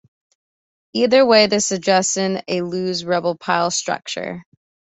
Either way, this suggests a loose rubble pile structure.